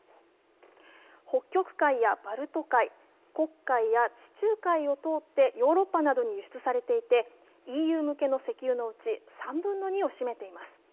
北極海やバルト海、黒海、地中海を通ってヨーロッパなどに輸出されていて、ＥＵ向けの石油のうち３分の２を占めています。